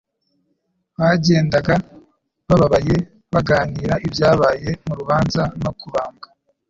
Bagendaga bababaye baganira ibyabaye mu rubanza no kubambwa.